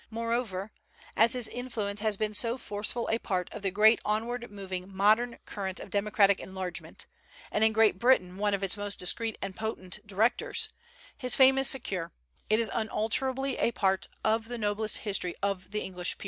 Moreover, as his influence has been so forceful a part of the great onward moving modern current of democratic enlargement, and in Great Britain one of its most discreet and potent directors, his fame is secure; it is unalterably a part of the noblest history of the English people.